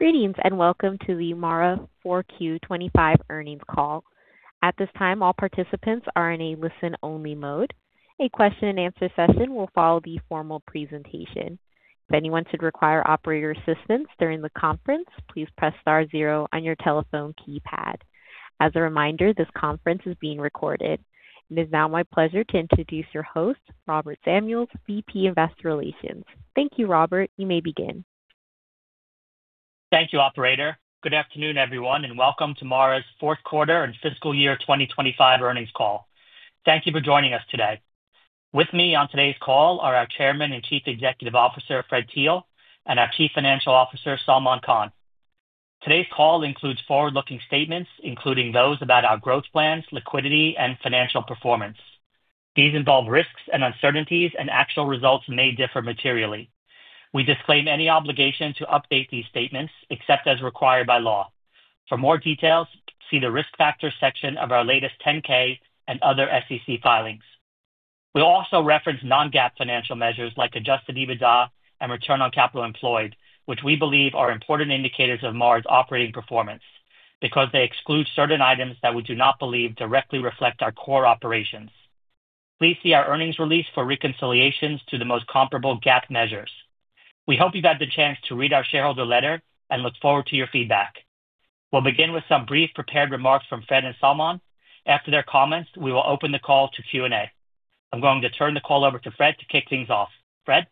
Greetings, welcome to the MARA Q4 2025 Earnings Call. At this time, all participants are in a listen-only mode. A question-and-answer session will follow the formal presentation. If anyone should require operator assistance during the conference, please press star zero on your telephone keypad. As a reminder, this conference is being recorded. It is now my pleasure to introduce your host, Robert Samuels, VP Investor Relations. Thank you, Robert. You may begin. Thank you, operator. Good afternoon, everyone, and welcome to MARA's fourth quarter and fiscal year 2025 earnings call. Thank you for joining us today. With me on today's call are our Chairman and Chief Executive Officer, Fred Thiel, and our Chief Financial Officer, Salman Khan. Today's call includes forward-looking statements, including those about our growth plans, liquidity, and financial performance. These involve risks and uncertainties and actual results may differ materially. We disclaim any obligation to update these statements except as required by law. For more details, see the Risk Factors section of our latest 10-K and other SEC filings. We'll also reference Non-GAAP financial measures like adjusted EBITDA and return on capital employed, which we believe are important indicators of MARA's operating performance because they exclude certain items that we do not believe directly reflect our core operations. Please see our earnings release for reconciliations to the most comparable GAAP measures. We hope you've had the chance to read our shareholder letter and look forward to your feedback. We'll begin with some brief prepared remarks from Fred and Salman. After their comments, we will open the call to Q&A. I'm going to turn the call over to Fred to kick things off. Fred.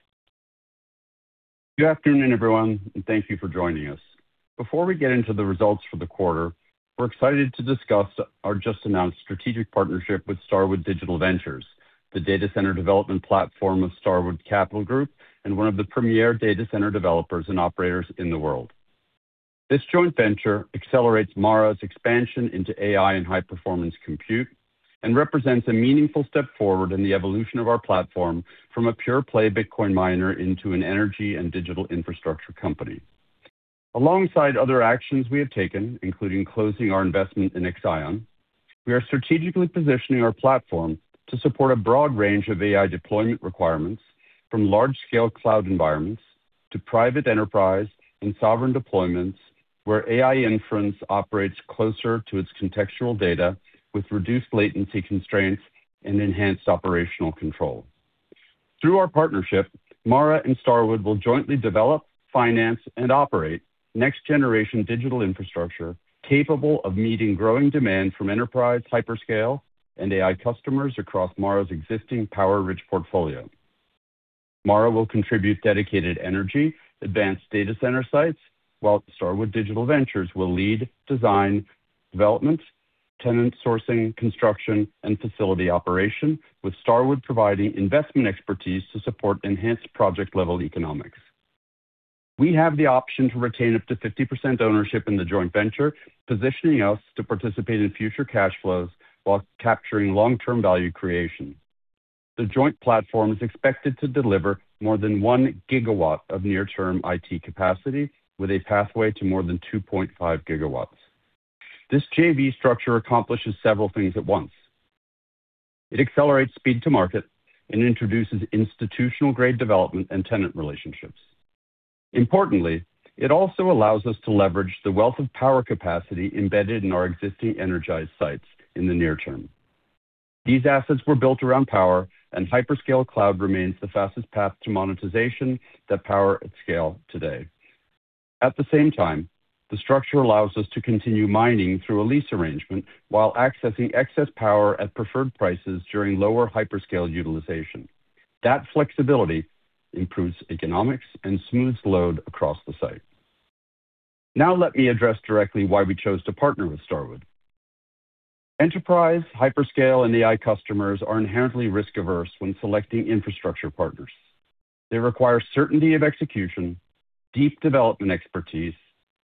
Good afternoon, everyone, and thank you for joining us. Before we get into the results for the quarter, we're excited to discuss our just-announced strategic partnership with Starwood Digital Ventures, the data center development platform of Starwood Capital Group and one of the premier data center developers and operators in the world. This joint venture accelerates MARA's expansion into AI and high-performance compute and represents a meaningful step forward in the evolution of our platform from a pure-play Bitcoin miner into an energy and digital infrastructure company. Alongside other actions we have taken, including closing our investment in Exaion, we are strategically positioning our platform to support a broad range of AI deployment requirements, from large-scale cloud environments to private enterprise and sovereign deployments, where AI inference operates closer to its contextual data with reduced latency constraints and enhanced operational control. Through our partnership, MARA and Starwood will jointly develop, finance, and operate next-generation digital infrastructure capable of meeting growing demand from enterprise, hyperscale, and AI customers across MARA's existing power-rich portfolio. MARA will contribute dedicated energy, advanced data center sites, while Starwood Digital Ventures will lead design, development, tenant sourcing, construction, and facility operation, with Starwood providing investment expertise to support enhanced project-level economics. We have the option to retain up to 50% ownership in the joint venture, positioning us to participate in future cash flows while capturing long-term value creation. The joint platform is expected to deliver more than 1 GW of near-term IT capacity with a pathway to more than 2.5 GW. This JV structure accomplishes several things at once. It accelerates speed to market and introduces institutional-grade development and tenant relationships. Importantly, it also allows us to leverage the wealth of power capacity embedded in our existing energized sites in the near-term. These assets were built around power, and hyperscale cloud remains the fastest path to monetization that power at scale today. At the same time, the structure allows us to continue mining through a lease arrangement while accessing excess power at preferred prices during lower hyperscale utilization. That flexibility improves economics and smooths load across the site. Let me address directly why we chose to partner with Starwood. Enterprise, hyperscale, and AI customers are inherently risk-averse when selecting infrastructure partners. They require certainty of execution, deep development expertise,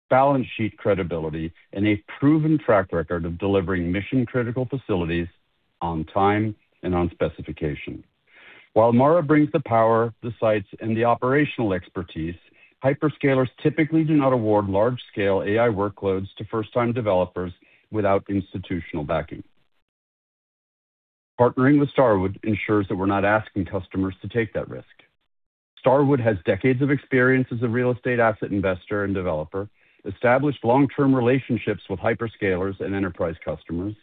balance sheet credibility, and a proven track record of delivering mission-critical facilities on time and on specification. While MARA brings the power, the sites, and the operational expertise, hyperscalers typically do not award large-scale AI workloads to first-time developers without institutional backing. Partnering with Starwood ensures that we're not asking customers to take that risk. Starwood has decades of experience as a real estate asset investor and developer, established long-term relationships with hyperscalers and enterprise customers,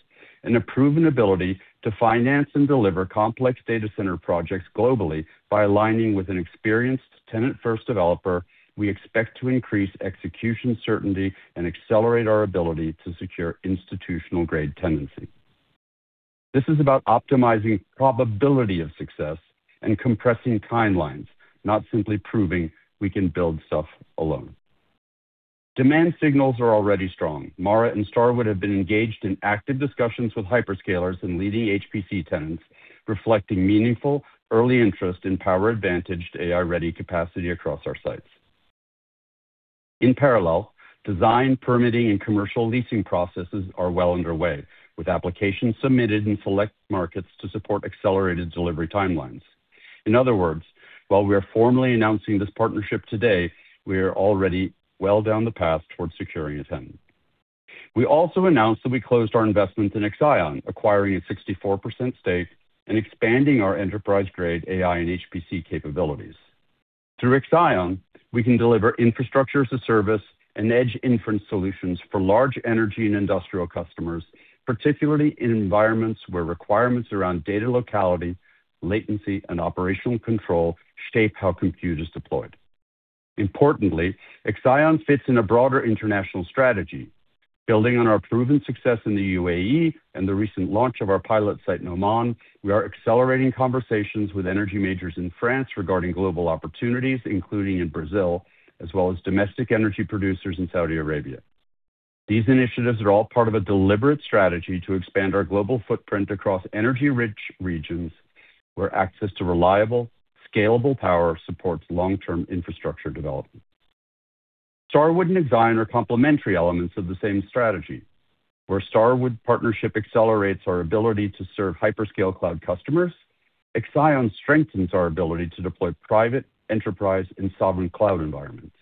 and a proven ability to finance and deliver complex data center projects globally. By aligning with an experienced tenant-first developer, we expect to increase execution certainty and accelerate our ability to secure institutional-grade tenancy. This is about optimizing probability of success and compressing timelines, not simply proving we can build stuff alone. Demand signals are already strong. MARA and Starwood have been engaged in active discussions with hyperscalers and leading HPC tenants, reflecting meaningful early interest in power-advantaged AI-ready capacity across our sites. In parallel, design, permitting, and commercial leasing processes are well underway, with applications submitted in select markets to support accelerated delivery timelines. In other words, while we are formally announcing this partnership today, we are already well down the path towards securing a tenant. We also announced that we closed our investment in Exaion, acquiring a 64% stake and expanding our enterprise-grade AI and HPC capabilities. Through Exaion, we can deliver infrastructure as a service and edge inference solutions for large energy and industrial customers, particularly in environments where requirements around data locality, latency, and operational control shape how compute is deployed. Importantly, Exaion fits in a broader international strategy. Building on our proven success in the UAE and the recent launch of our pilot site in Oman, we are accelerating conversations with energy majors in France regarding global opportunities, including in Brazil, as well as domestic energy producers in Saudi Arabia. These initiatives are all part of a deliberate strategy to expand our global footprint across energy-rich regions where access to reliable, scalable power supports long-term infrastructure development. Starwood and Exaion are complementary elements of the same strategy. Where Starwood partnership accelerates our ability to serve hyperscale cloud customers, Exaion strengthens our ability to deploy private enterprise and sovereign cloud environments.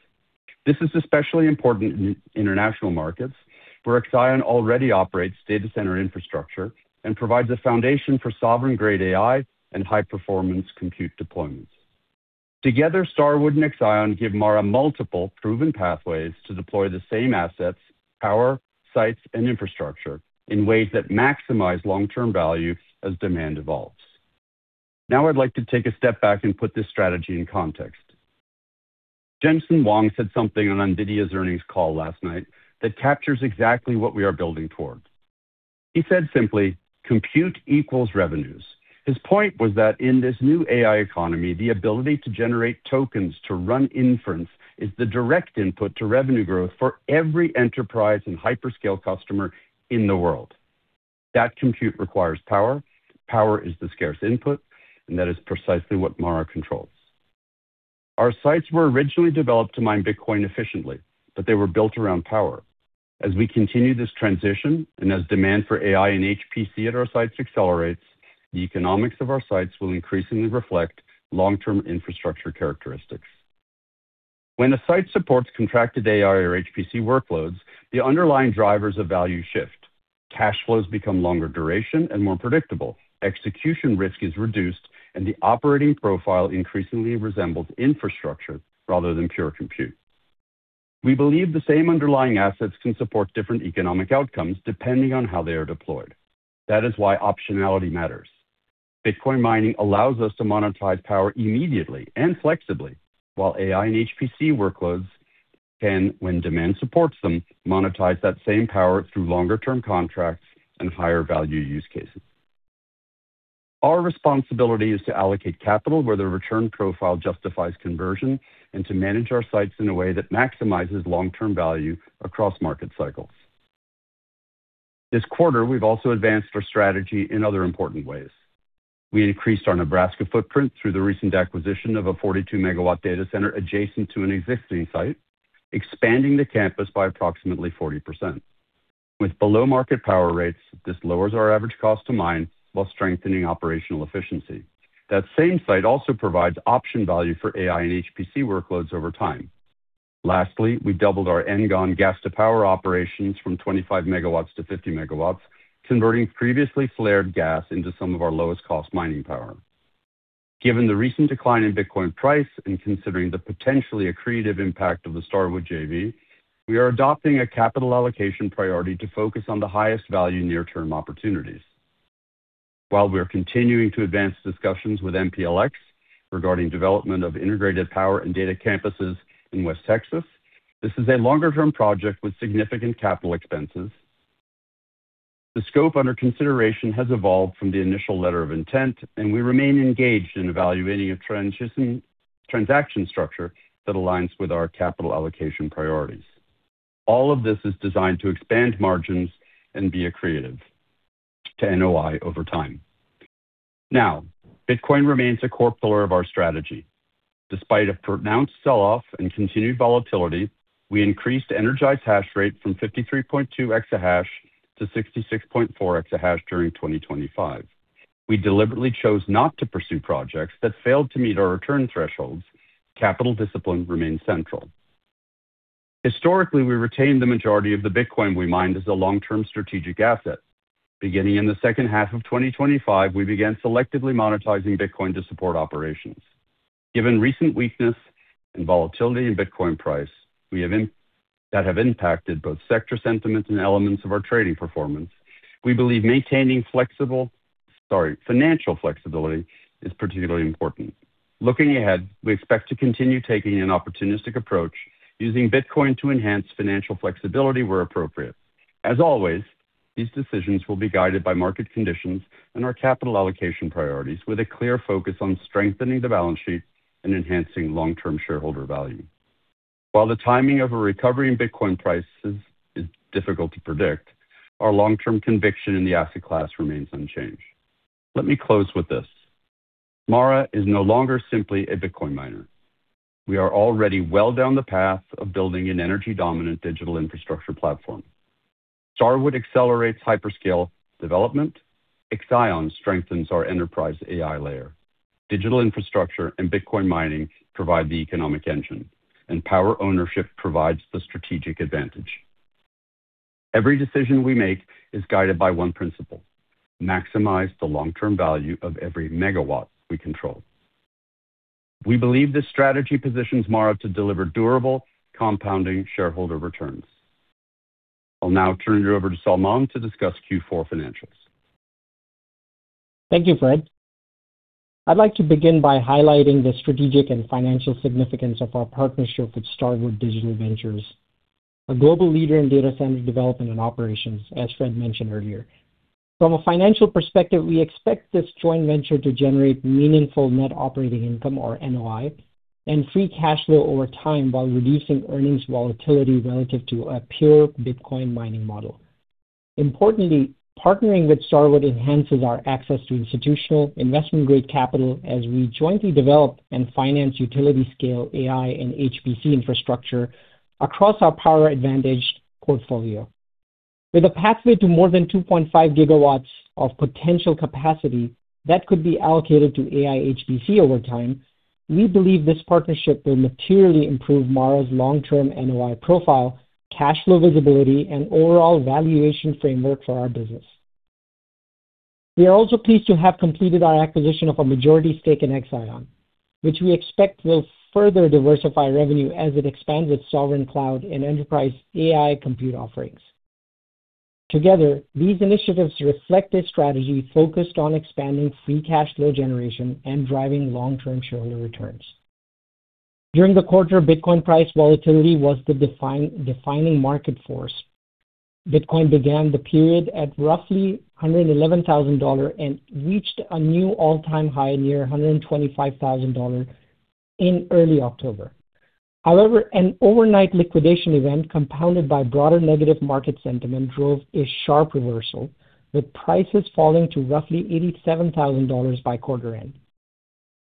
This is especially important in international markets where Exaion already operates data center infrastructure and provides a foundation for sovereign-grade AI and high-performance compute deployments. Together, Starwood and Exaion give MARA multiple proven pathways to deploy the same assets, power, sites, and infrastructure in ways that maximize long-term value as demand evolves. I'd like to take a step back and put this strategy in context. Jensen Huang said something on NVIDIA's earnings call last night that captures exactly what we are building towards. He said simply, "Compute equals revenues." His point was that in this new AI economy, the ability to generate tokens to run inference is the direct input to revenue growth for every enterprise and hyperscale customer in the world. That compute requires power. Power is the scarce input, and that is precisely what MARA controls. Our sites were originally developed to mine Bitcoin efficiently, but they were built around power. As we continue this transition, and as demand for AI and HPC at our sites accelerates, the economics of our sites will increasingly reflect long-term infrastructure characteristics. When a site supports contracted AI or HPC workloads, the underlying drivers of value shift. Cash flows become longer duration and more predictable. Execution risk is reduced, and the operating profile increasingly resembles infrastructure rather than pure compute. We believe the same underlying assets can support different economic outcomes depending on how they are deployed. That is why optionality matters. Bitcoin mining allows us to monetize power immediately and flexibly, while AI and HPC workloads can, when demand supports them, monetize that same power through longer-term contracts and higher-value use cases. Our responsibility is to allocate capital where the return profile justifies conversion and to manage our sites in a way that maximizes long-term value across market cycles. This quarter, we've also advanced our strategy in other important ways. We increased our Nebraska footprint through the recent acquisition of a 42 MW data center adjacent to an existing site, expanding the campus by approximately 40%. With below-market power rates, this lowers our average cost to mine while strengthening operational efficiency. That same site also provides option value for AI and HPC workloads over time. Lastly, we doubled our engine gas to power operations from 25 MW-50 MW, converting previously flared gas into some of our lowest-cost mining power. Given the recent decline in Bitcoin price and considering the potentially accretive impact of the Starwood JV, we are adopting a capital allocation priority to focus on the highest value near-term opportunities. While we are continuing to advance discussions with MPLX regarding development of integrated power and data campuses in West Texas, this is a longer-term project with significant capital expenses. The scope under consideration has evolved from the initial letter of intent, we remain engaged in evaluating a transaction structure that aligns with our capital allocation priorities. All of this is designed to expand margins and be accretive to NOI over time. Bitcoin remains a core pillar of our strategy. Despite a pronounced sell-off and continued volatility, we increased energized hash rate from 53.2 EH/s-66.4 EH/s during 2025. We deliberately chose not to pursue projects that failed to meet our return thresholds. Capital discipline remains central. Historically, we retained the majority of the Bitcoin we mined as a long-term strategic asset. Beginning in the second half of 2025, we began selectively monetizing Bitcoin to support operations. Given recent weakness and volatility in Bitcoin price, we have that have impacted both sector sentiments and elements of our trading performance, we believe maintaining sorry, financial flexibility is particularly important. Looking ahead, we expect to continue taking an opportunistic approach using Bitcoin to enhance financial flexibility where appropriate. As always, these decisions will be guided by market conditions and our capital allocation priorities, with a clear focus on strengthening the balance sheet and enhancing long-term shareholder value. While the timing of a recovery in Bitcoin prices is difficult to predict, our long-term conviction in the asset class remains unchanged. Let me close with this: MARA is no longer simply a Bitcoin miner. We are already well down the path of building an energy-dominant digital infrastructure platform. Starwood accelerates hyperscale development. Exaion strengthens our enterprise AI layer. Digital infrastructure and Bitcoin mining provide the economic engine, and power ownership provides the strategic advantage. Every decision we make is guided by one principle: maximize the long-term value of every MW we control. We believe this strategy positions MARA to deliver durable compounding shareholder returns. I'll now turn you over to Salman to discuss Q4 financials. Thank you, Fred. I'd like to begin by highlighting the strategic and financial significance of our partnership with Starwood Digital Ventures, a global leader in data center development and operations, as Fred mentioned earlier. From a financial perspective, we expect this joint venture to generate meaningful net operating income or NOI and free cash flow over time while reducing earnings volatility relative to a pure Bitcoin mining model. Importantly, partnering with Starwood enhances our access to institutional investment-grade capital as we jointly develop and finance utility scale AI and HPC infrastructure across our power advantage portfolio. With a pathway to more than 2.5 GW of potential capacity that could be allocated to AI HPC over time, we believe this partnership will materially improve MARA's long-term NOI profile, cash flow visibility, and overall valuation framework for our business. We are also pleased to have completed our acquisition of a majority stake in Exaion, which we expect will further diversify revenue as it expands its sovereign cloud and enterprise AI compute offerings. Together, these initiatives reflect a strategy focused on expanding free cash flow generation and driving long-term shareholder returns. During the quarter, Bitcoin price volatility was the defining market force. Bitcoin began the period at roughly $111,000 and reached a new all-time high near $125,000 in early October. However, an overnight liquidation event, compounded by broader negative market sentiment, drove a sharp reversal, with prices falling to roughly $87,000 by quarter end.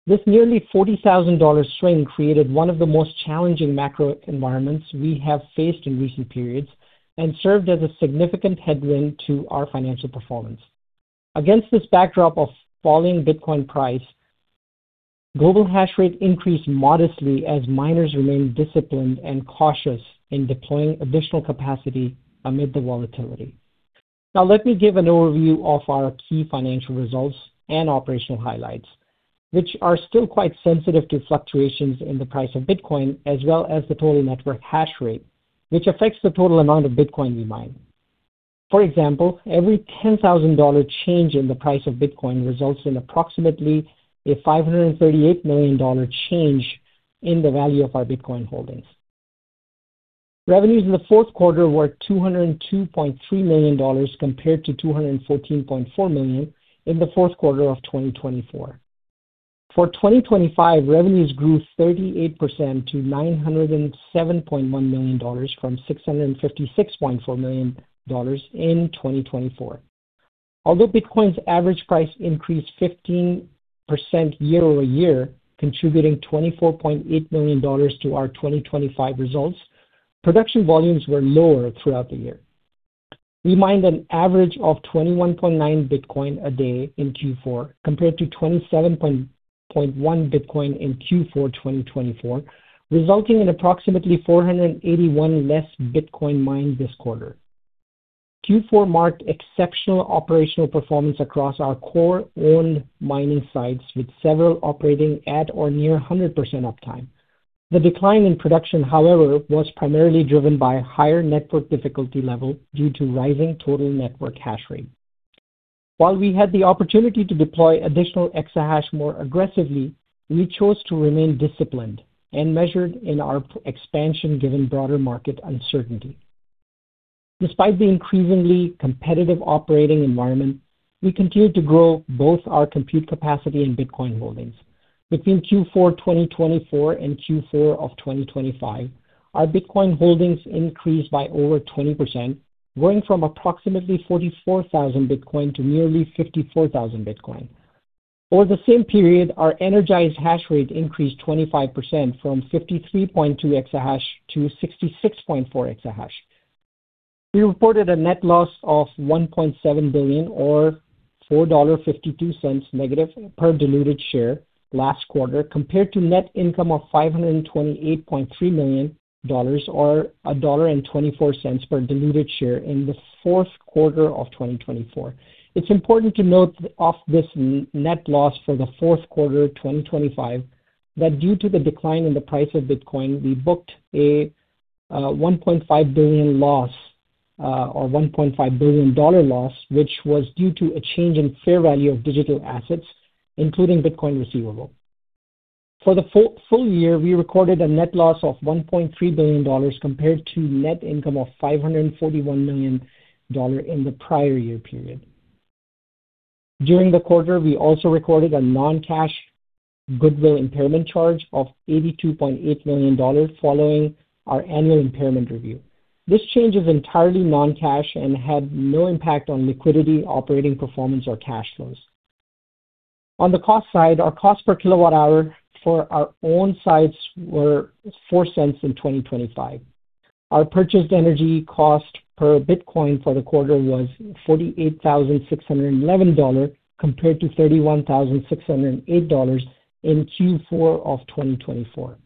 This nearly $40,000 swing created one of the most challenging macro environments we have faced in recent periods and served as a significant headwind to our financial performance. Against this backdrop of falling Bitcoin price, global hash rate increased modestly as miners remained disciplined and cautious in deploying additional capacity amid the volatility. Let me give an overview of our key financial results and operational highlights, which are still quite sensitive to fluctuations in the price of Bitcoin, as well as the total network hash rate, which affects the total amount of Bitcoin we mine. For example, every $10,000 change in the price of Bitcoin results in approximately a $538 million change in the value of our Bitcoin holdings. Revenues in the fourth quarter were $202.3 million compared to $214.4 million in the fourth quarter of 2024. For 2025, revenues grew 38% to $907.1 million from $656.4 million in 2024. Although Bitcoin's average price increased 15% year-over-year, contributing $24.8 million to our 2025 results, production volumes were lower throughout the year. We mined an average of 21.9 Bitcoin a day in Q4 compared to 27.1 Bitcoin in Q4 2024, resulting in approximately 481 less Bitcoin mined this quarter. Q4 marked exceptional operational performance across our core owned mining sites, with several operating at or near 100% uptime. The decline in production, however, was primarily driven by a higher network difficulty level due to rising total network hash rate. While we had the opportunity to deploy additional exahash more aggressively, we chose to remain disciplined and measured in our expansion given broader market uncertainty. Despite the increasingly competitive operating environment, we continued to grow both our compute capacity and Bitcoin holdings. Between Q4 2024 and Q4 of 2025, our Bitcoin holdings increased by over 20%, growing from approximately 44,000 Bitcoin to nearly 54,000 Bitcoin. Over the same period, our energized hash rate increased 25% from 53.2 exahash to 66.4 exahash. We reported a net loss of $1.7 billion or $4.52 negative per diluted share last quarter compared to net income of $528.3 million or $1.24 per diluted share in the fourth quarter of 2024. It's important to note of this net loss for the fourth quarter of 2025 that due to the decline in the price of Bitcoin, we booked a $1.5 billion loss or $1.5 billion loss, which was due to a change in fair value of digital assets, including Bitcoin receivable. For the full year, we recorded a net loss of $1.3 billion compared to net income of $541 million in the prior year period. During the quarter, we also recorded a non-cash goodwill impairment charge of $82.8 million following our annual impairment review. This change is entirely non-cash and had no impact on liquidity, operating performance or cash flows. On the cost side, our cost per kWh for our own sites were $0.04 in 2025. Our purchased energy cost per Bitcoin for the quarter was $48,611 compared to $31,608 in Q4 of 2024.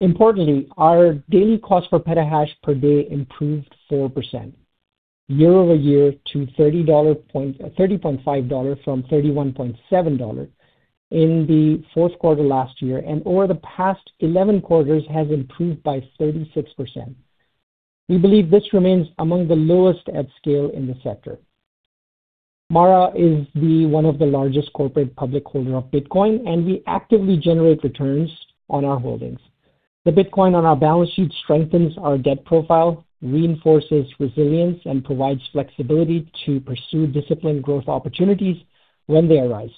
Importantly, our daily cost for petahash per day improved 4% year-over-year to $30.5 from $31.7 in the fourth quarter last year and over the past 11 quarters has improved by 36%. We believe this remains among the lowest at scale in the sector. MARA is the one of the largest corporate public holder of Bitcoin. We actively generate returns on our holdings. The Bitcoin on our balance sheet strengthens our debt profile, reinforces resilience and provides flexibility to pursue disciplined growth opportunities when they arise.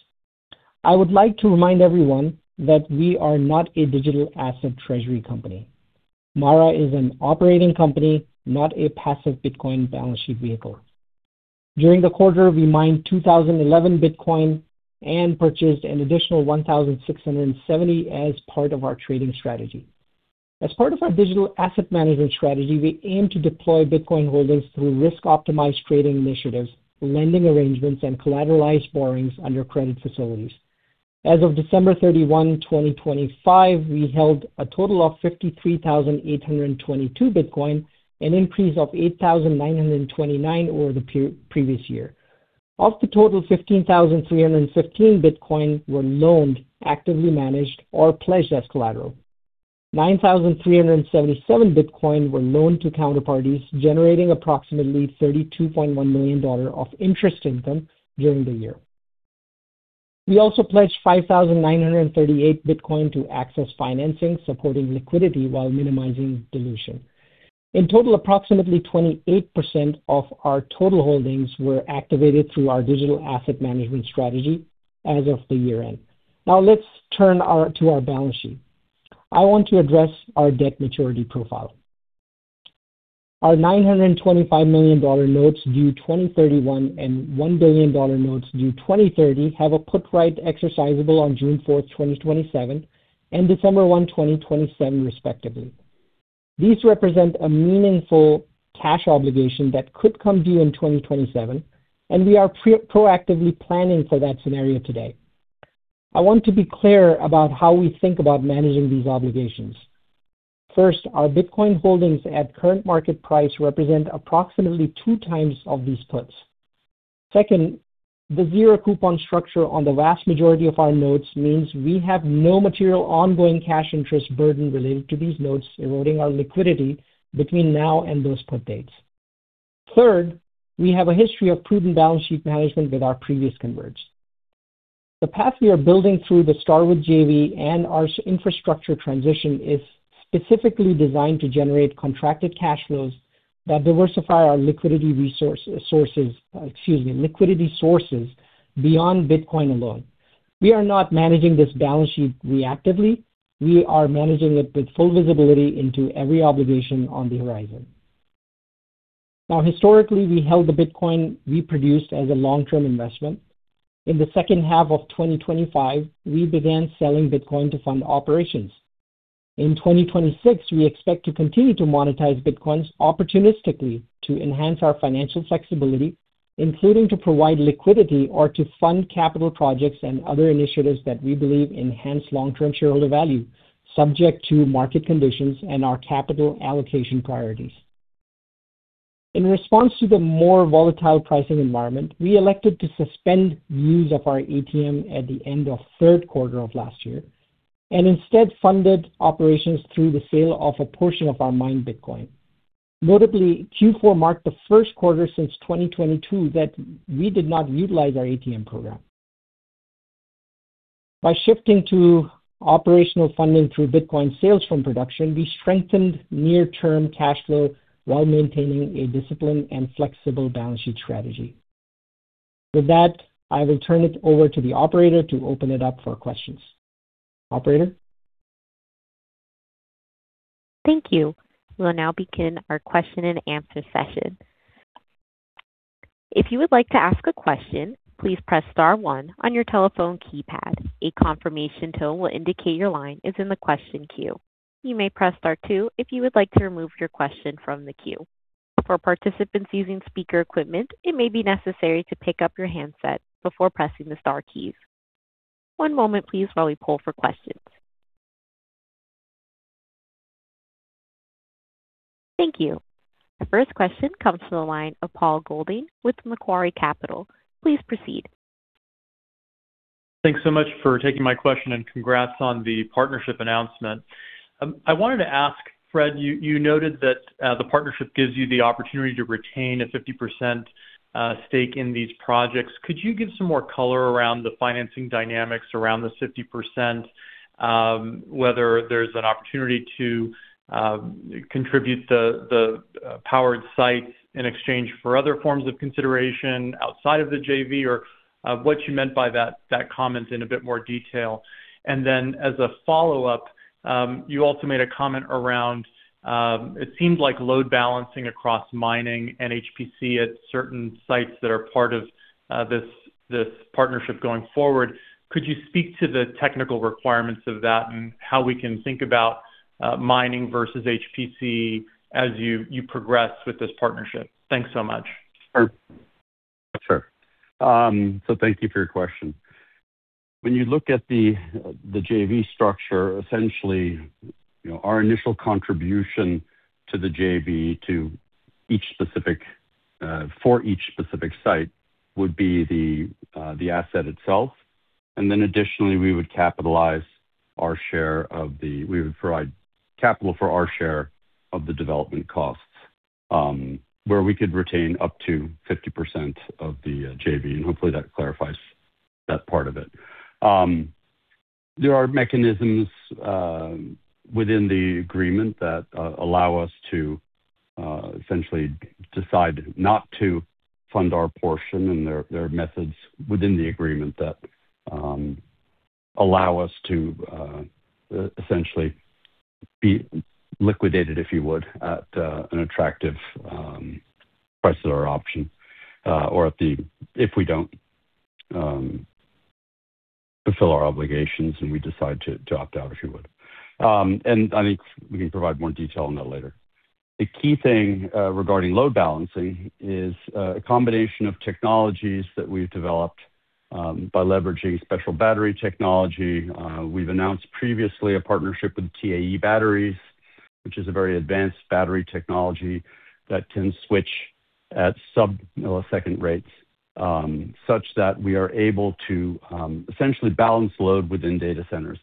I would like to remind everyone that we are not a digital asset treasury company. MARA is an operating company, not a passive Bitcoin balance sheet vehicle. During the quarter, we mined 2,011 Bitcoin and purchased an additional 1,670 as part of our trading strategy. As part of our digital asset management strategy, we aim to deploy Bitcoin holdings through risk optimized trading initiatives, lending arrangements and collateralized borrowings under credit facilities. As of December 31, 2025, we held a total of 53,822 Bitcoin, an increase of 8,929 over the pre-previous year. Of the total, 15,315 Bitcoin were loaned, actively managed or pledged as collateral. 9,377 Bitcoin were loaned to counterparties, generating approximately $32.1 million of interest income during the year. We also pledged 5,938 Bitcoin to access financing, supporting liquidity while minimizing dilution. In total, approximately 28% of our total holdings were activated through our digital asset management strategy as of the year-end. Let's turn to our balance sheet. I want to address our debt maturity profile. Our $925 million notes due 2031 and $1 billion notes due 2030 have a put right exercisable on June 4, 2027 and December 1, 2027, respectively. These represent a meaningful cash obligation that could come due in 2027, and we are proactively planning for that scenario today. I want to be clear about how we think about managing these obligations. First, our Bitcoin holdings at current market price represent approximately two times of these puts. Second, the zero coupon structure on the vast majority of our notes means we have no material ongoing cash interest burden related to these notes eroding our liquidity between now and those put dates. Third, we have a history of proven balance sheet management with our previous converts. The path we are building through the Starwood JV and our liquidity sources, excuse me, beyond Bitcoin alone. We are not managing this balance sheet reactively, we are managing it with full visibility into every obligation on the horizon. Historically, we held the Bitcoin we produced as a long-term investment. In the second half of 2025, we began selling Bitcoin to fund operations. In 2026, we expect to continue to monetize Bitcoins opportunistically to enhance our financial flexibility, including to provide liquidity or to fund capital projects and other initiatives that we believe enhance long-term shareholder value, subject to market conditions and our capital allocation priorities. In response to the more volatile pricing environment, we elected to suspend use of our ATM at the end of third quarter of last year and instead funded operations through the sale of a portion of our mined Bitcoin. Notably, Q4 marked the first quarter since 2022 that we did not utilize our ATM program. By shifting to operational funding through Bitcoin sales from production, we strengthened near-term cash flow while maintaining a disciplined and flexible balance sheet strategy. With that, I will turn it over to the operator to open it up for questions. Operator? Thank you. We'll now begin our question and answer session. If you would like to ask a question, please press star one on your telephone keypad. A confirmation tone will indicate your line is in the question queue. You may press star two if you would like to remove your question from the queue. For participants using speaker equipment, it may be necessary to pick up your handset before pressing the star keys. One moment please while we poll for questions. Thank you. The first question comes from the line of Paul Golding with Macquarie Capital. Please proceed. Thanks so much for taking my question. Congrats on the partnership announcement. I wanted to ask, Fred, you noted that the partnership gives you the opportunity to retain a 50% stake in these projects. Could you give some more color around the financing dynamics around the 50%? Whether there's an opportunity to contribute the powered site in exchange for other forms of consideration outside of the JV, or what you meant by that comment in a bit more detail. As a follow-up, you also made a comment around it seemed like load balancing across mining and HPC at certain sites that are part of this partnership going forward. Could you speak to the technical requirements of that and how we can think about mining versus HPC as you progress with this partnership? Thanks so much. Sure. Thank you for your question. When you look at the JV structure, essentially, you know, our initial contribution to the JV to each specific, for each specific site would be the asset itself. Additionally, we would capitalize our share of the development costs, where we could retain up to 50% of the JV. Hopefully that clarifies that part of it. There are mechanisms within the agreement that allow us to essentially decide not to fund our portion, and there are methods within the agreement that allow us to essentially be liquidated, if you would, at an attractive price or option, or if we don't fulfill our obligations, and we decide to opt out, if you would. I think we can provide more detail on that later. The key thing regarding load balancing is a combination of technologies that we've developed by leveraging special battery technology. We've announced previously a partnership with TAE Batteries, which is a very advanced battery technology that can switch at sub-millisecond rates, such that we are able to essentially balance load within data centers.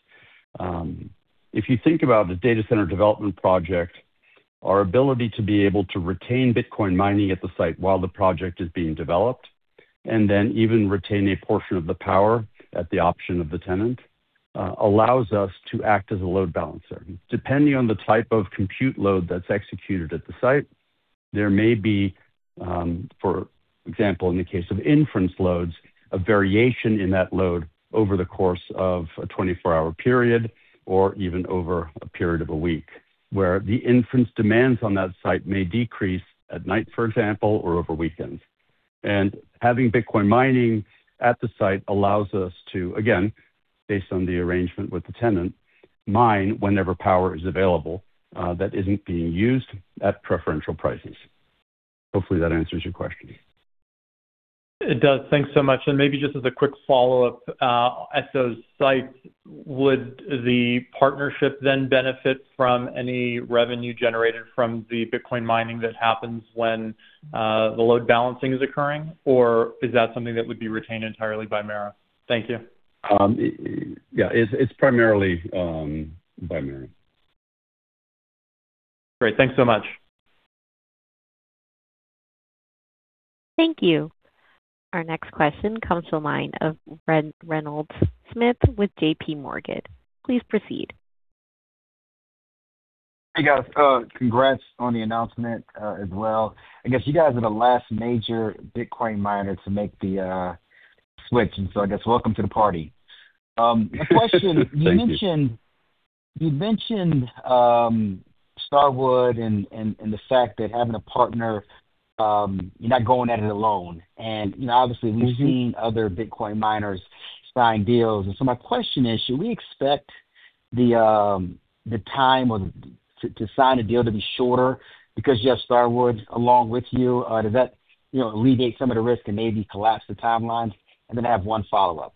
If you think about a data center development project, our ability to be able to retain Bitcoin mining at the site while the project is being developed and then even retain a portion of the power at the option of the tenant, allows us to act as a load balancer. Depending on the type of compute load that's executed at the site, there may be, for example, in the case of inference loads, a variation in that load over the course of a 24-hour period or even over a period of a week, where the inference demands on that site may decrease at night, for example, or over weekends. Having Bitcoin mining at the site allows us to, again, based on the arrangement with the tenant, mine whenever power is available, that isn't being used at preferential prices. Hopefully that answers your question. It does. Thanks so much. Maybe just as a quick follow-up. At those sites, would the partnership then benefit from any revenue generated from the Bitcoin mining that happens when the load balancing is occurring? Is that something that would be retained entirely by MARA? Thank you. yeah, it's primarily by MARA. Great. Thanks so much. Thank you. Our next question comes to the line of Reggie Smith with JP Morgan. Please proceed. Hey, guys. congrats on the announcement, as well. I guess you guys are the last major Bitcoin miner to make the switch. I guess welcome to the party. Thank you. You mentioned Starwood and the fact that having a partner, you're not going at it alone. Mm-hmm. We've seen other Bitcoin miners sign deals. My question is, should we expect the time to sign a deal to be shorter because you have Starwood along with you? Does that, you know, alleviate some of the risk and maybe collapse the timelines? I have one follow-up.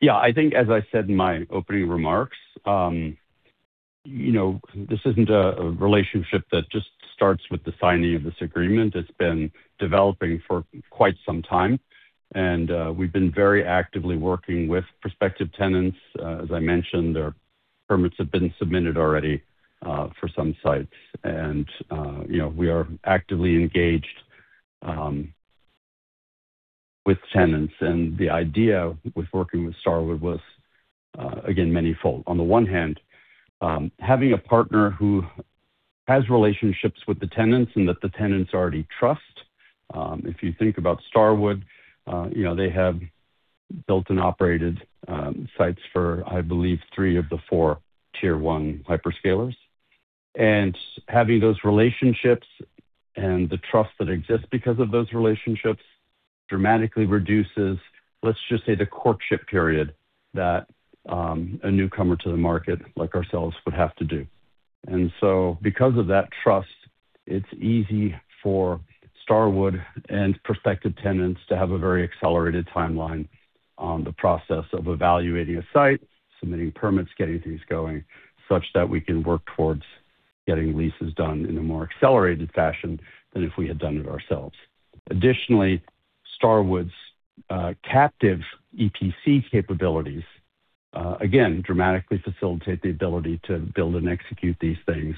Yeah. I think as I said in my opening remarks, you know, this isn't a relationship that just starts with the signing of this agreement. It's been developing for quite some time, and we've been very actively working with prospective tenants. As I mentioned, their permits have been submitted already for some sites. You know, we are actively engaged with tenants. The idea with working with Starwood was again, manyfold. On the one hand, having a partner who has relationships with the tenants and that the tenants already trust. If you think about Starwood, you know, they have built and operated sites for, I believe, three of the four tier one hyperscalers. Having those relationships and the trust that exists because of those relationships dramatically reduces, let's just say, the courtship period that a newcomer to the market like ourselves would have to do. Because of that trust, it's easy for Starwood and prospective tenants to have a very accelerated timeline on the process of evaluating a site, submitting permits, getting things going, such that we can work towards getting leases done in a more accelerated fashion than if we had done it ourselves. Additionally, Starwood's captive EPC capabilities again dramatically facilitate the ability to build and execute these things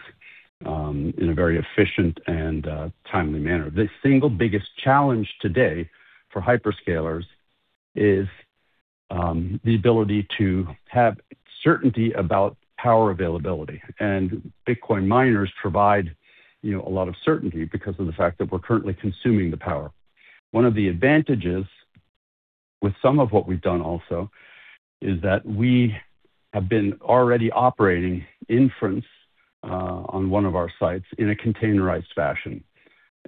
in a very efficient and timely manner. The single biggest challenge today for hyperscalers is the ability to have certainty about power availability. Bitcoin miners provide, you know, a lot of certainty because of the fact that we're currently consuming the power. One of the advantages with some of what we've done also is that we have been already operating inference on one of our sites in a containerized fashion.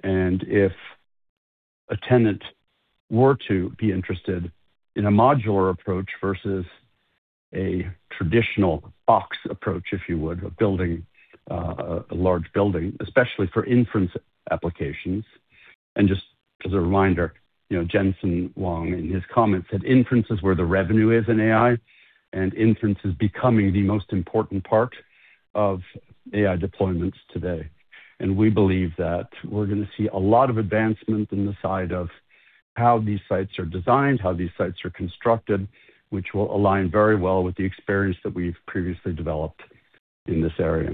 If a tenant were to be interested in a modular approach versus a traditional box approach, if you would, of building a large building, especially for inference applications. Just as a reminder, you know, Jensen Huang, in his comments, said inference is where the revenue is in AI, and inference is becoming the most important part of AI deployments today. We believe that we're going to see a lot of advancement in the side of how these sites are designed, how these sites are constructed, which will align very well with the experience that we've previously developed in this area.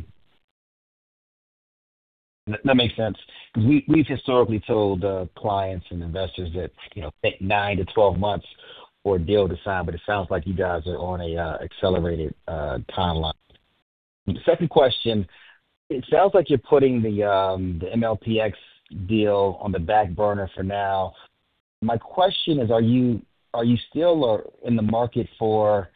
That makes sense. We've historically told clients and investors that, you know, nine to 12 months for a deal to sign, but it sounds like you guys are on an accelerated timeline. The second question, it sounds like you're putting the MPLX deal on the back burner for now. My question is, are you still in the market for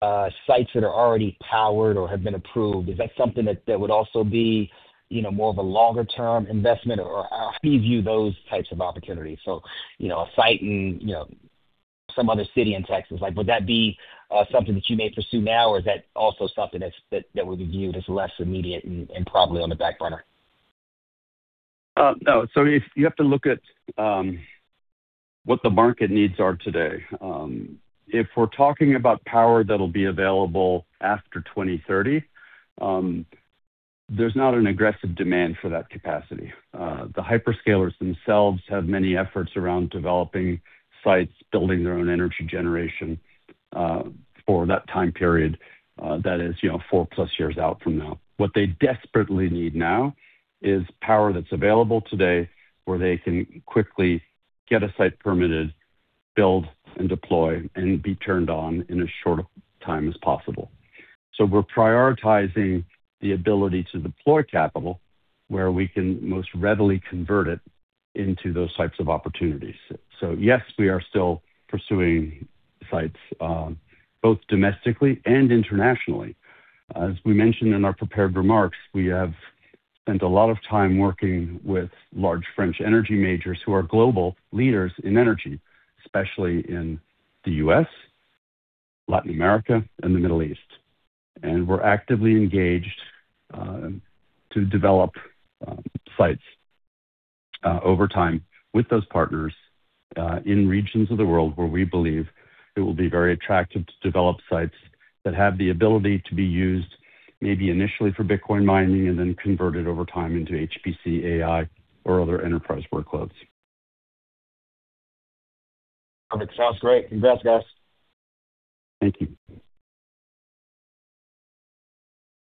sites that are already powered or have been approved? Is that something that would also be, you know, more of a longer-term investment? Or how do you view those types of opportunities? You know, a site in, you know, some other city in Texas, like, would that be something that you may pursue now? Or is that also something that's, that would be viewed as less immediate and probably on the back burner? No. You have to look at what the market needs are today. If we're talking about power that'll be available after 2030, there's not an aggressive demand for that capacity. The hyperscalers themselves have many efforts around developing sites, building their own energy generation for that time period, that is, you know, four plus years out from now. What they desperately need now is power that's available today, where they can quickly get a site permitted, build and deploy and be turned on in as short a time as possible. We're prioritizing the ability to deploy capital where we can most readily convert it into those types of opportunities. Yes, we are still pursuing sites, both domestically and internationally. As we mentioned in our prepared remarks, we have spent a lot of time working with large French energy majors who are global leaders in energy, especially in the U.S., Latin America, and the Middle East. We're actively engaged to develop sites over time with those partners in regions of the world where we believe it will be very attractive to develop sites that have the ability to be used, maybe initially for Bitcoin mining, and then converted over time into HPC, AI, or other enterprise workloads. Perfect. Sounds great. Congrats, guys. Thank you.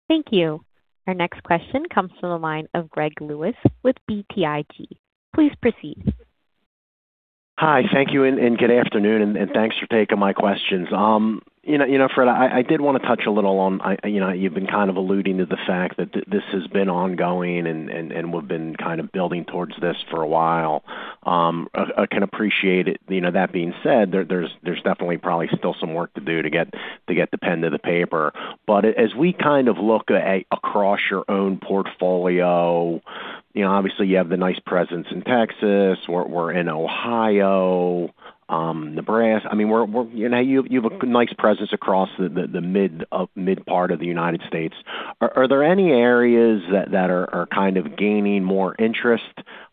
Thank you. Our next question comes from the line of Greg Lewis with BTIG. Please proceed. Hi. Thank you, and good afternoon, and thanks for taking my questions. You know, Fred, I did want to touch a little on, you know, you've been kind of alluding to the fact that this has been ongoing and we've been kind of building towards this for a while. I can appreciate it. You know, that being said, there's definitely probably still some work to do to get the pen to the paper. As we kind of look across your own portfolio, you know, obviously you have the nice presence in Texas. We're in Ohio, Nebraska. I mean, we're... You know, you have a nice presence across the mid part of the United States. Are there any areas that are kind of gaining more interest,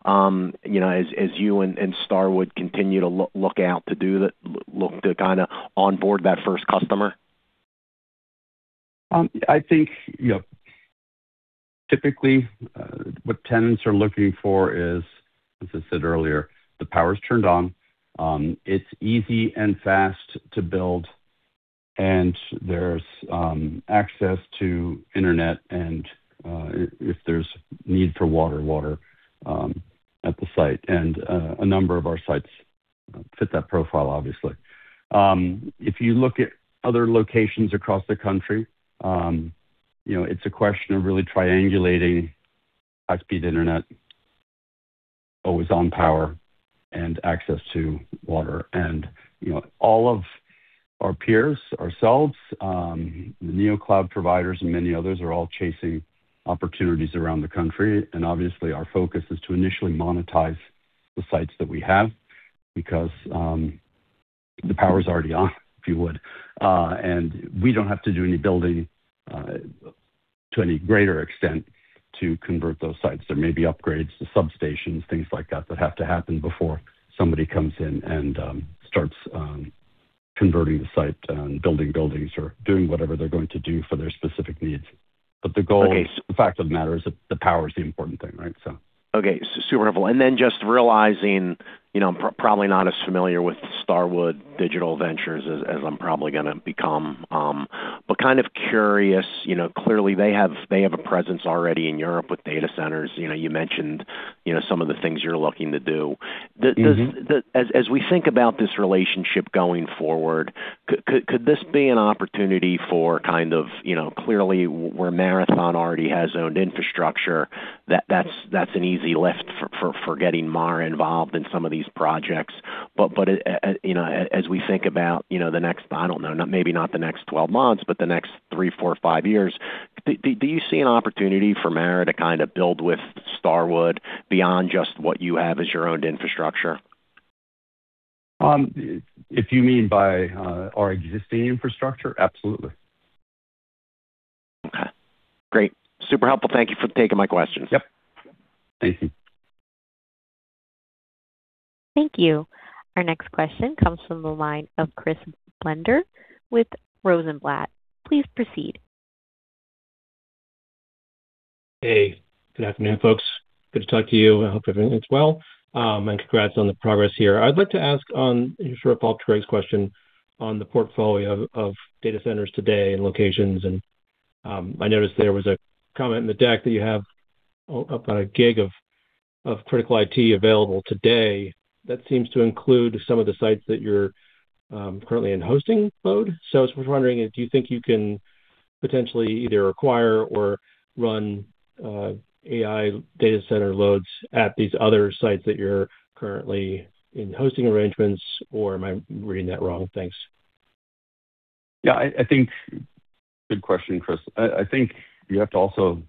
you know, as you and Starwood continue to look to kind of onboard that first customer? I think, you know, typically, what tenants are looking for is, as I said earlier, the power's turned on, it's easy and fast to build, and there's access to internet and, if there's need for water at the site. A number of our sites fit that profile, obviously. If you look at other locations across the country, you know, it's a question of really triangulating high-speed internet, always on power, and access to water. You know, all of our peers, ourselves, the Neocloud providers and many others are all chasing opportunities around the country. Obviously, our focus is to initially monetize the sites that we have because the power's already on, if you would. We don't have to do any building to any greater extent to convert those sites. There may be upgrades to substations, things like that have to happen before somebody comes in and starts converting the site and building buildings or doing whatever they're going to do for their specific needs. Okay. The fact of the matter is that the power is the important thing, right? So. Okay. Super helpful. Just realizing, you know, probably not as familiar with Starwood Digital Ventures as I'm probably gonna become, but kind of curious, you know, clearly they have, they have a presence already in Europe with data centers. You know, you mentioned, you know, some of the things you're looking to do. Mm-hmm. As we think about this relationship going forward, could this be an opportunity for kind of, you know, clearly where Marathon already has owned infrastructure, that's an easy lift for getting Mar involved in some of these projects? You know, as we think about, you know, the next, I don't know, maybe not the next 12 months, but the next three, four, five years, do you see an opportunity for Mar to kind of build with Starwood beyond just what you have as your owned infrastructure? If you mean by, our existing infrastructure, absolutely. Okay. Great. Super helpful. Thank you for taking my questions. Yep. Thank you. Thank you. Our next question comes from the line of Chris Brendler with Rosenblatt. Please proceed. Hey, good afternoon, folks. Good to talk to you. I hope everything is well. Congrats on the progress here. I'd like to ask sort of follow up to Greg's question on the portfolio of data centers today and locations. I noticed there was a comment in the deck that you have about a gig of critical IT available today. That seems to include some of the sites that you're currently in hosting mode. I was just wondering if you think you can potentially either acquire or run AI data center loads at these other sites that you're currently in hosting arrangements, or am I reading that wrong? Thanks. I think. Good question, Chris Brendler. I think you have to also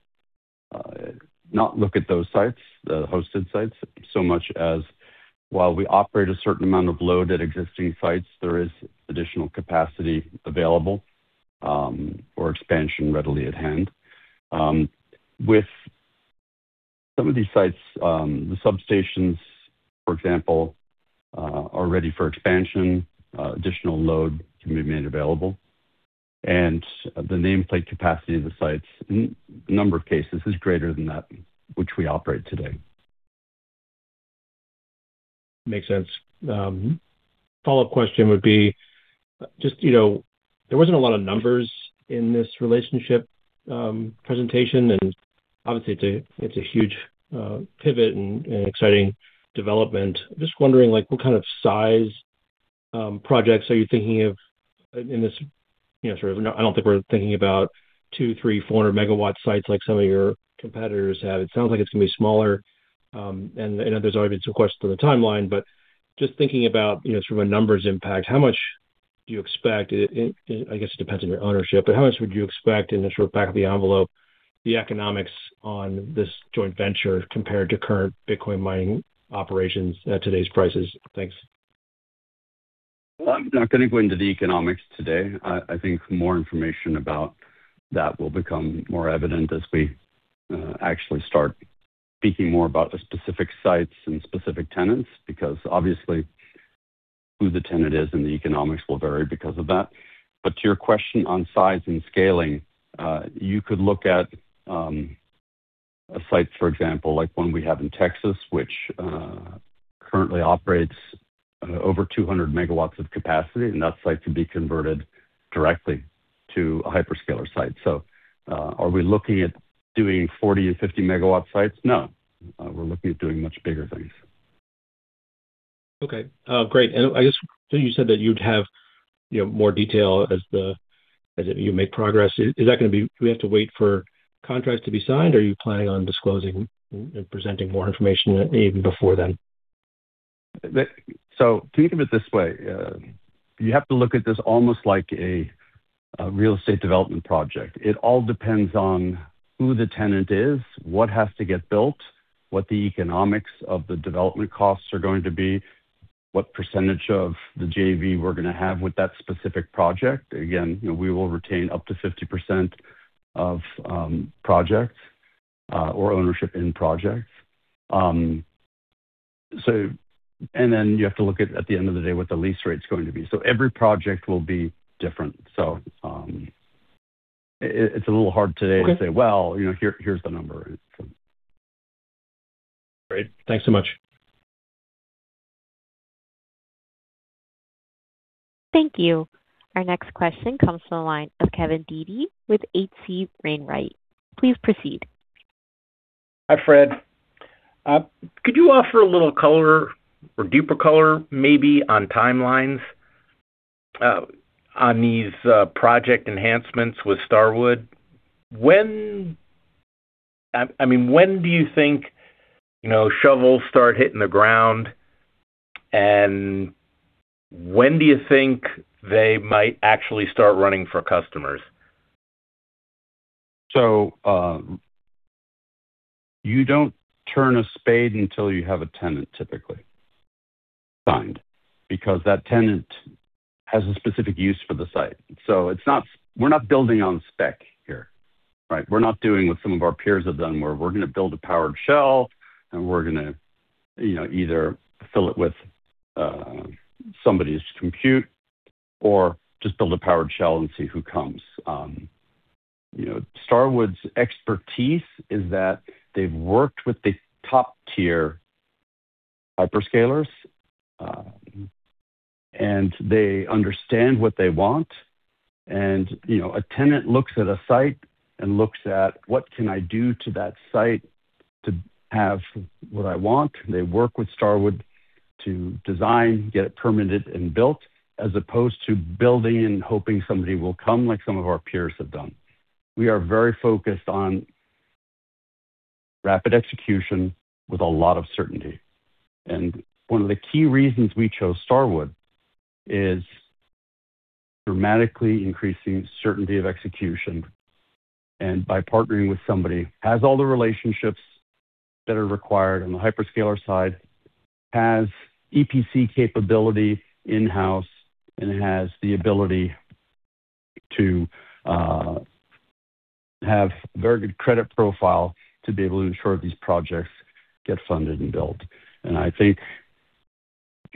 not look at those sites, the hosted sites, so much as while we operate a certain amount of load at existing sites, there is additional capacity available, or expansion readily at hand. With some of these sites, the substations, for example, are ready for expansion. Additional load can be made available. The nameplate capacity of the sites in a number of cases is greater than that which we operate today. Makes sense. Follow-up question would be just, you know, there wasn't a lot of numbers in this relationship presentation, and obviously it's a, it's a huge pivot and exciting development. Just wondering, like, what kind of size projects are you thinking of in this, you know, sort of... I don't think we're thinking about two, three, 400 MW sites like some of your competitors have. It sounds like it's gonna be smaller. And I know there's already been some questions on the timeline, but just thinking about, you know, sort of a numbers impact, how much do you expect it-- I guess it depends on your ownership, but how much would you expect in the sort of back of the envelope, the economics on this joint venture compared to current Bitcoin mining operations at today's prices? Thanks. I'm not gonna go into the economics today. I think more information about that will become more evident as we actually start speaking more about the specific sites and specific tenants, because obviously who the tenant is and the economics will vary because of that. To your question on size and scaling, you could look at a site, for example, like one we have in Texas, which currently operates over 200 MW of capacity, and that site could be converted directly to a hyperscaler site. Are we looking at doing 40 or 50 MW sites? No. We're looking at doing much bigger things. Okay. great. I guess you said that you'd have, you know, more detail as you make progress. Do we have to wait for contracts to be signed, or are you planning on disclosing and presenting more information even before then? Think of it this way. You have to look at this almost like a real estate development project. It all depends on who the tenant is, what has to get built, what the economics of the development costs are going to be, what percentage of the JV we're gonna have with that specific project. Again, you know, we will retain up to 50% of projects or ownership in projects. You have to look at the end of the day what the lease rate is going to be. Every project will be different. It's a little hard today. Okay. To say, "Well, you know, here's the number. Great. Thanks so much. Thank you. Our next question comes from the line of Kevin Dede with H.C. Wainwright & Co. Please proceed. Hi, Fred. Could you offer a little color or deeper color maybe on timelines, on these, project enhancements with Starwood? I mean, when do you think, you know, shovels start hitting the ground, and when do you think they might actually start running for customers? You don't turn a spade until you have a tenant typically signed because that tenant has a specific use for the site. We're not building on spec here, right? We're not doing what some of our peers have done, where we're gonna build a powered shell and we're gonna, you know, either fill it with somebody's compute or just build a powered shell and see who comes. You know, Starwood's expertise is that they've worked with the top-tier hyperscalers and they understand what they want. You know, a tenant looks at a site and looks at, "What can I do to that site to have what I want?" They work with Starwood to design, get it permitted, and built, as opposed to building and hoping somebody will come, like some of our peers have done. We are very focused on rapid execution with a lot of certainty. One of the key reasons we chose Starwood is dramatically increasing certainty of execution. By partnering with somebody has all the relationships that are required on the hyperscaler side, has EPC capability in-house, and has the ability to have very good credit profile to be able to ensure these projects get funded and built. I think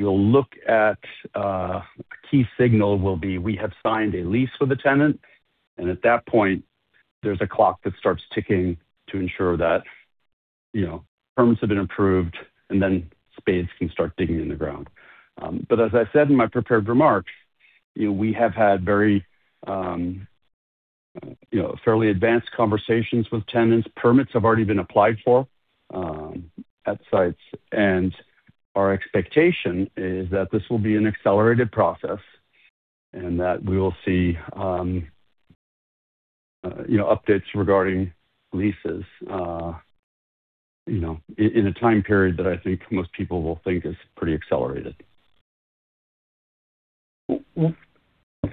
if you'll look at a key signal will be we have signed a lease with a tenant, and at that point, there's a clock that starts ticking to ensure that, you know, permits have been approved and then spades can start digging in the ground. As I said in my prepared remarks, you know, we have had very, you know, fairly advanced conversations with tenants. Permits have already been applied for at sites. Our expectation is that this will be an accelerated process and that we will see, you know, updates regarding leases, you know, in a time period that I think most people will think is pretty accelerated.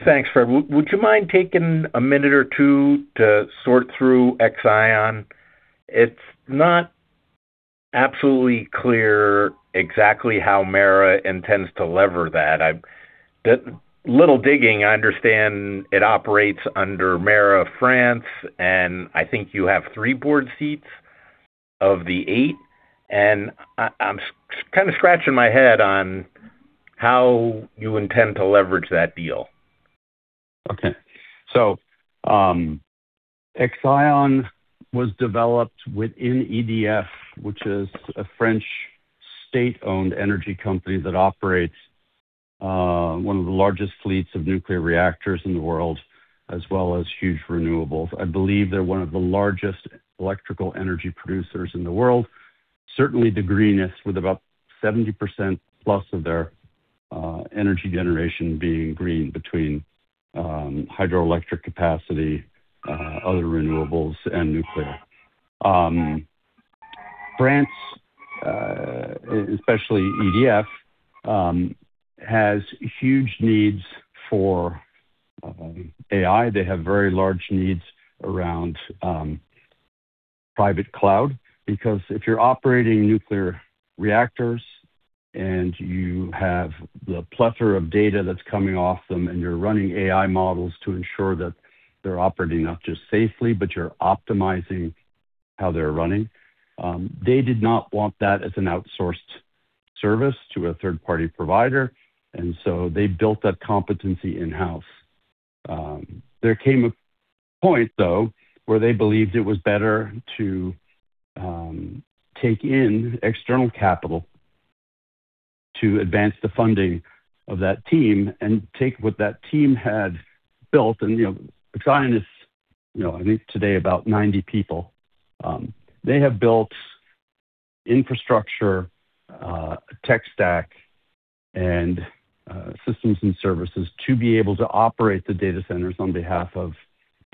Thanks, Fred. Would you mind taking a minute or two to sort through Exaion? It's not absolutely clear exactly how MARA intends to lever that. The little digging, I understand it operates under MARA France, and I think you have three board seats of the eight. I'm kind of scratching my head on how you intend to leverage that deal. Exaion was developed within EDF, which is a French state-owned energy company that operates one of the largest fleets of nuclear reactors in the world, as well as huge renewables. I believe they're one of the largest electrical energy producers in the world. Certainly, the greenest, with about 70%+ of their energy generation being green between hydroelectric capacity, other renewables, and nuclear. France, especially EDF, has huge needs for AI. They have very large needs around private cloud, because if you're operating nuclear reactors and you have the plethora of data that's coming off them and you're running AI models to ensure that they're operating not just safely, but you're optimizing how they're running, they did not want that as an outsourced service to a third-party provider, they built that competency in-house. There came a point, though, where they believed it was better to take in external capital to advance the funding of that team and take what that team had built. You know, Exaion is, you know, I think today about 90 people. They have built infrastructure, tech stack, and systems and services to be able to operate the data centers on behalf of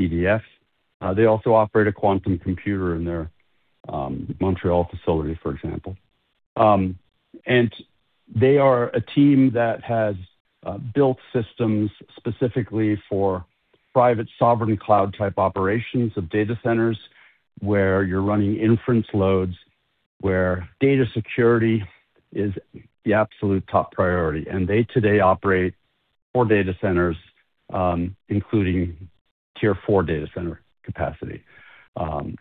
EDF. They also operate a quantum computer in their Montreal facility, for example. They are a team that has built systems specifically for private sovereign cloud type operations of data centers, where you're running inference loads, where data security is the absolute top priority. They today operate 4 data centers, including Tier IV data center capacity,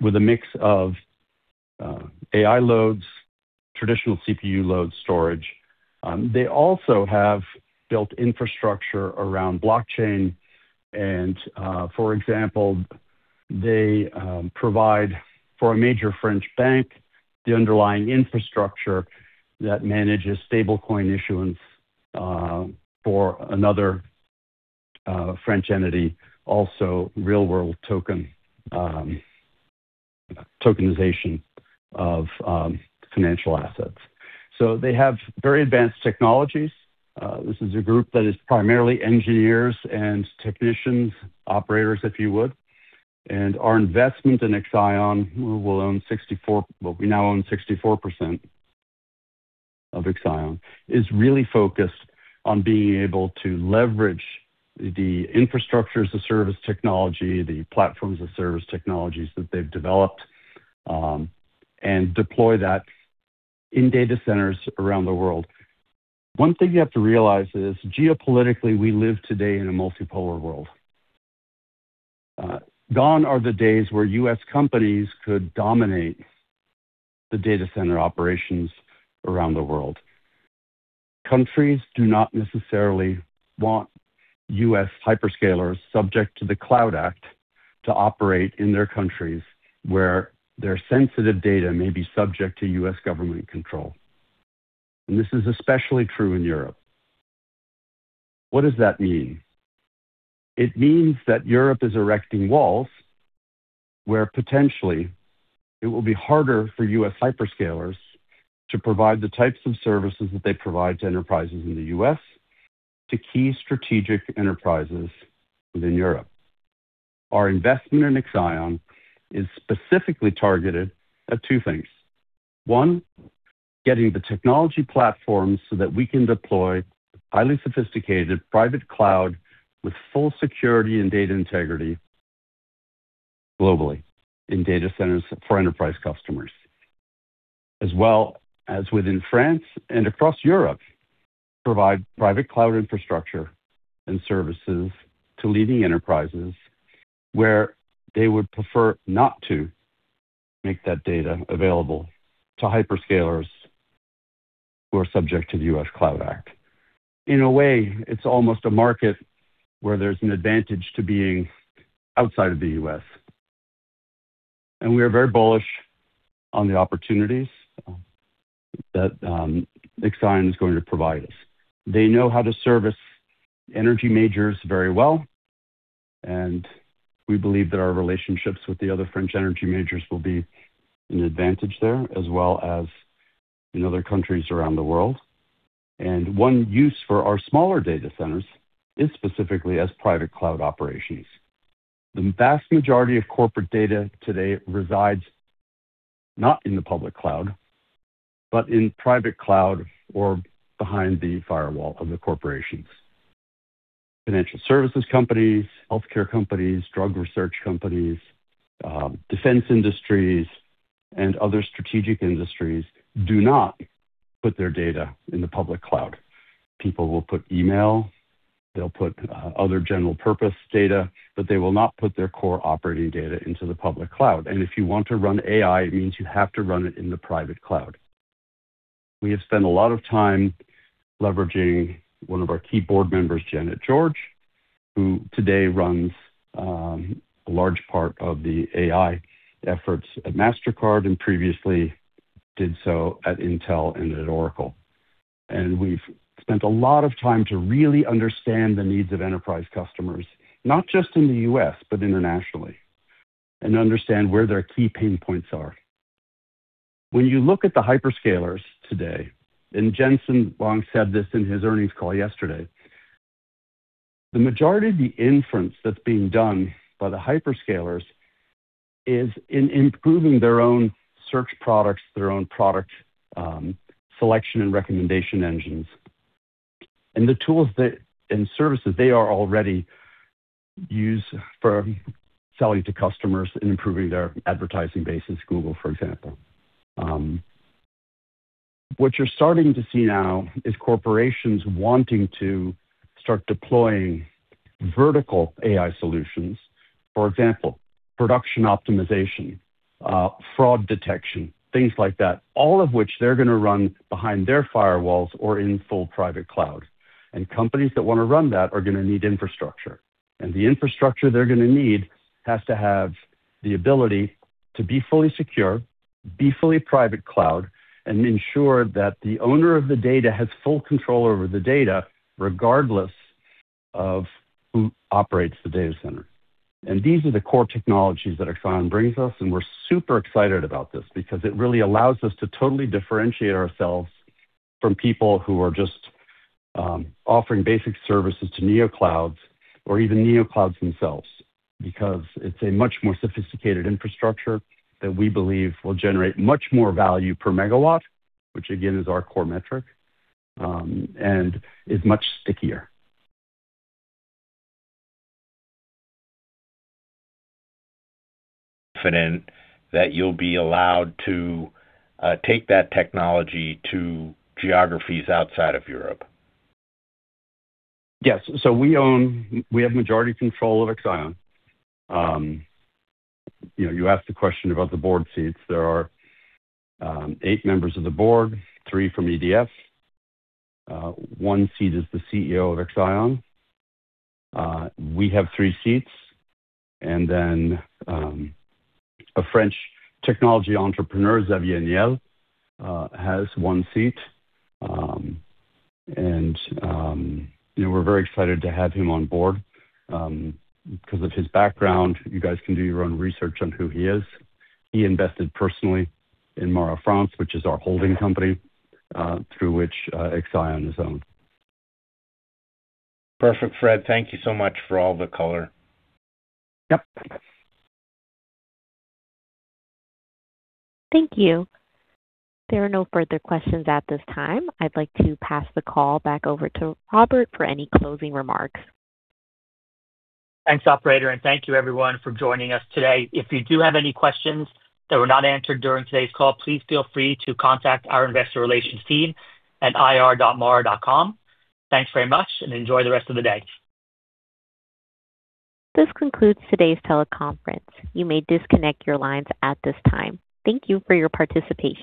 with a mix of AI loads, traditional CPU load storage. They also have built infrastructure around blockchain and, for example, they provide for a major French bank the underlying infrastructure that manages stable coin issuance, for another French entity, also real world token, tokenization of financial assets. They have very advanced technologies. This is a group that is primarily engineers and technicians, operators, if you would. Our investment in Exaion, we now own 64% of Exaion, is really focused on being able to leverage the infrastructure as a service technology, the platform as a service technologies that they've developed, and deploy that in data centers around the world. One thing you have to realize is geopolitically, we live today in a multipolar world. Gone are the days where U.S. companies could dominate the data center operations around the world. Countries do not necessarily want U.S. hyperscalers subject to the CLOUD Act to operate in their countries, where their sensitive data may be subject to U.S. government control. This is especially true in Europe. What does that mean? It means that Europe is erecting walls where potentially it will be harder for U.S. hyperscalers to provide the types of services that they provide to enterprises in the U.S. to key strategic enterprises within Europe. Our investment in Exaion is specifically targeted at two things. One, getting the technology platform so that we can deploy highly sophisticated private cloud with full security and data integrity globally in data centers for enterprise customers. As well as within France and across Europe, provide private cloud infrastructure and services to leading enterprises where they would prefer not to make that data available to hyperscalers who are subject to the U.S. CLOUD Act. In a way, it's almost a market where there's an advantage to being outside of the U.S. We are very bullish on the opportunities that Exaion is going to provide us. They know how to service energy majors very well, and we believe that our relationships with the other French energy majors will be an advantage there, as well as in other countries around the world. One use for our smaller data centers is specifically as private cloud operations. The vast majority of corporate data today resides not in the public cloud, but in private cloud or behind the firewall of the corporations. Financial services companies, healthcare companies, drug research companies, defense industries, and other strategic industries do not put their data in the public cloud. People will put email, they'll put, other general purpose data, but they will not put their core operating data into the public cloud. If you want to run AI, it means you have to run it in the private cloud. We have spent a lot of time leveraging one of our key board members, Janet George, who today runs, a large part of the AI efforts at Mastercard and previously did so at Intel and at Oracle. We've spent a lot of time to really understand the needs of enterprise customers, not just in the U.S., but internationally, and understand where their key pain points are. When you look at the hyperscalers today, and Jensen Huang said this in his earnings call yesterday, the majority of the inference that's being done by the hyperscalers is in improving their own search products, their own product selection and recommendation engines. The tools that and services they are already use for selling to customers and improving their advertising base as Google, for example. What you're starting to see now is corporations wanting to start deploying vertical AI solutions, for example, production optimization, fraud detection, things like that. All of which they're gonna run behind their firewalls or in full private cloud. Companies that wanna run that are gonna need infrastructure. The infrastructure they're gonna need has to have the ability to be fully secure, be fully private cloud, and ensure that the owner of the data has full control over the data regardless of who operates the data center. These are the core technologies that Exaion brings us, and we're super excited about this because it really allows us to totally differentiate ourselves from people who are just offering basic services to neoclouds or even neoclouds themselves, because it's a much more sophisticated infrastructure that we believe will generate much more value per MW which again, is our core metric, and is much stickier. Confident that you'll be allowed to, take that technology to geographies outside of Europe. Yes. We have majority control of Exaion. You know, you asked the question about the board seats. There are eight members of the board, three from EDF. One seat is the CEO of Exaion. We have three seats. A French technology entrepreneur, Xavier Niel, has one seat. You know, we're very excited to have him on board, because of his background. You guys can do your own research on who he is. He invested personally in MARA France, which is our holding company, through which, Exaion is owned. Perfect. Fred, thank you so much for all the color. Yep. Thank you. There are no further questions at this time. I'd like to pass the call back over to Robert for any closing remarks. Thanks, operator. Thank you everyone for joining us today. If you do have any questions that were not answered during today's call, please feel free to contact our investor relations team at ir.mara.com. Thanks very much. Enjoy the rest of the day. This concludes today's teleconference. You may disconnect your lines at this time. Thank you for your participation.